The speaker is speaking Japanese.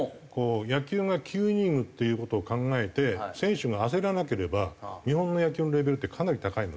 野球が９イニングっていう事を考えて選手が焦らなければ日本の野球のレベルってかなり高いので。